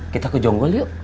kita ke jonggol yuk